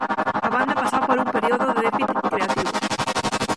A banda pasaba por un período de déficit creativo.